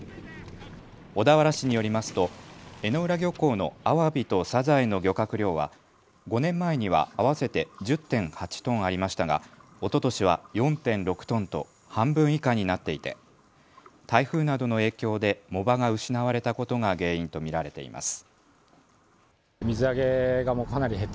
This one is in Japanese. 小田原市によりますと江之浦漁港のアワビとサザエの漁獲量は５年前には合わせて１０．８トンありましたがおととしは４．６トンと半分以下になっていて台風などの影響で藻場が失われたことが原因と見られています。